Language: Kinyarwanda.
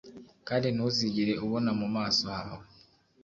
kandi ntuzigere ubona mu maso hawe